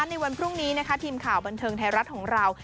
ในวันพรุ่งนี้นะคะทีมข่าวบันเทิงไทยรัฐของเรา